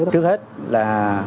trước hết là